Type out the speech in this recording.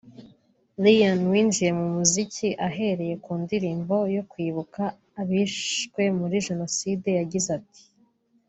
Lyn winjiye mu muziki ahereye ku ndirimbo yo kwibuka abishwe muri Jenoside yagize ati